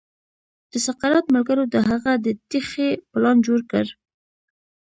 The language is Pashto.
د سقراط ملګرو د هغه د تېښې پلان جوړ کړ.